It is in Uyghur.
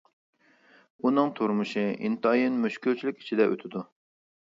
ئۇنىڭ تۇرمۇشى ئىنتايىن مۈشكۈلچىلىك ئىچىدە ئۆتىدۇ.